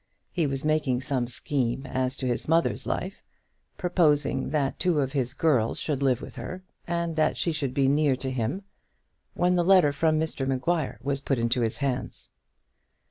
He was making some scheme as to his mother's life, proposing that two of his girls should live with her, and that she should be near to him, when the letter from Mr Maguire was put into his hands.